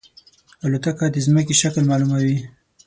الوتکه د زمکې شکل معلوموي.